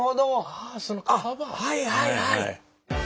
あっはいはいはい。